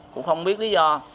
cũng không biết lý do